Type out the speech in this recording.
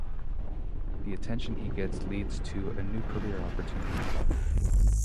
The attention he gets leads to a new career opportunity.